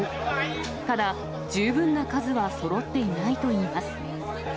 ただ、十分な数はそろっていないといいます。